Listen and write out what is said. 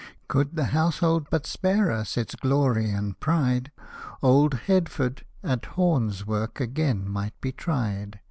Could the Household but spare us its glory and pride. Old H — df — t at horn works again might be tried.